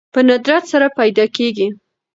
په ندرت سره پيدا کېږي